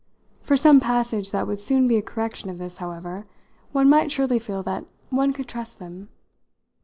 For some passage that would soon be a correction of this, however, one might surely feel that one could trust them.